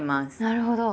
なるほど。